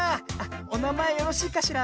おなまえよろしいかしら？